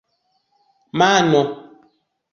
mano